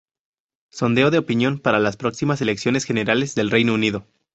Sondeo de opinión para las próximas elecciones generales del Reino Unido.